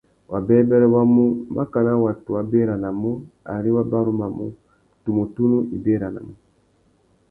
Wabêbêrê wa mu, makana watu wa béranamú ari wa barumanú, tumu tunu i béranamú.